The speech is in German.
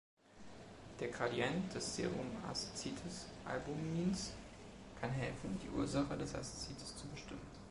Der Gradient des Serum-Aszites-Albumins kann helfen, die Ursache des Aszites zu bestimmen.